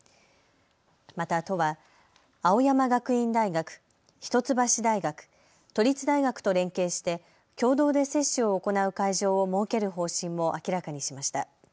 また都は青山学院大学、一橋大学、都立大学と連携して共同で接種を行う会場を設ける方針も明らかにしました。